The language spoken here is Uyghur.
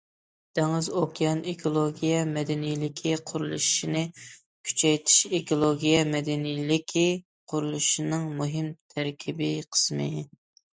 دېڭىز- ئوكيان ئېكولوگىيە مەدەنىيلىكى قۇرۇلۇشىنى كۈچەيتىش ئېكولوگىيە مەدەنىيلىكى قۇرۇلۇشىنىڭ مۇھىم تەركىبىي قىسمى.